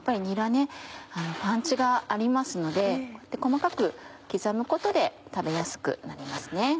にらパンチがありますのでこうやって細かく刻むことで食べやすくなりますね。